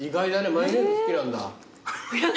マヨネーズ好きなんだ。